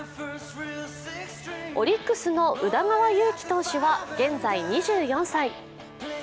オリックスの宇田川優希投手は現在２４歳。